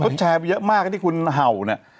เขาแชร์ไปเยอะมากที่คุณเห่าเนี่ย